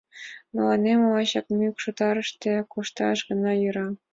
Мыланем лачак мӱкш отарыште кошташ гына йӧра...